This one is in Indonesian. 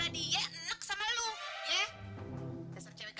dimimpin biasa aja tuh